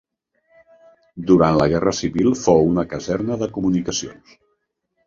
Durant la Guerra Civil fou una caserna de comunicacions.